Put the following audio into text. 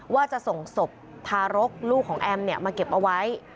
ว่าจะส่งศพทารกลูกของแอมมาเก็บเอาไว้